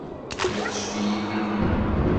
Tella teccef-iyi tidi.